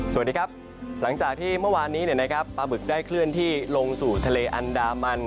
สวัสดีครับหลังจากที่เมื่อวานนี้ปลาบึกได้เคลื่อนที่ลงสู่ทะเลอันดามัน